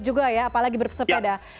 juga ya apalagi bersepeda